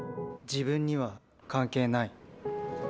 自分には関係ない。